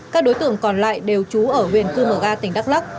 các đối tượng còn lại đều trú ở huyện cư mờ ga tỉnh đắk lắc